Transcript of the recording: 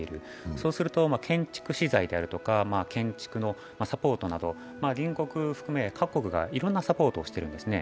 そうすると建築資材だとか建築のサポートなど、隣国含め各国がいろんなサポートをしているんですね。